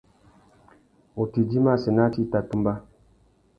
Ngu tà idjima assênatê i tà tumba.